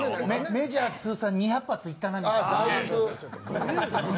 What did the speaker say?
メジャー通算２００発いったなみたいな。